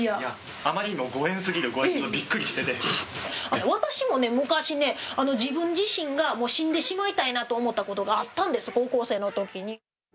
あまりにもご縁すぎるご縁で私も昔ね、自分自身がもう死んでしまいたいなと思ったことがあったんです、高校生のときに。